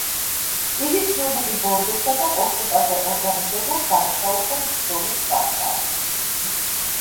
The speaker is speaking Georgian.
იგი ცნობილი ბორდოსა და კორსიკაზე ორგანიზებულ დანაშაულთან ბრძოლით გახდა.